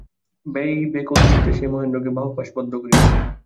ভয়ব্যাকুলচিত্তে সে মহেন্দ্রকে বাহুপাশ বদ্ধ করিল।